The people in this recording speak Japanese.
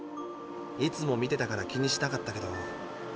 いつも見てたから気にしなかったけど。